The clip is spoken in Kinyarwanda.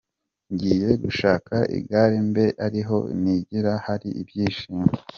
Ngiye gushaka igare mbe ariho nigira hari ibyishimo.